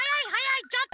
ちょっと！